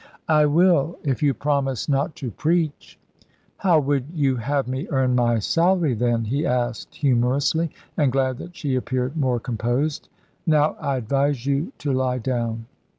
"I will, if you promise not to preach." "How would you have me earn my salary, then?" he asked humorously, and glad that she appeared more composed. "Now I advise you to lie down."